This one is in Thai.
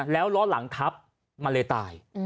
แล้วล้อหลังทับมันเลยตาย